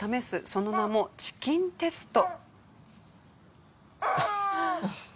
その名もチキンテスト。